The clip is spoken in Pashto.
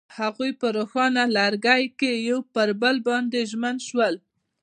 هغوی په روښانه لرګی کې پر بل باندې ژمن شول.